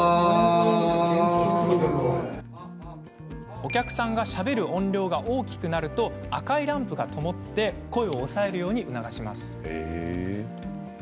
お客さんがしゃべる音量が大きくなると赤いランプがともって声を抑えるように促します。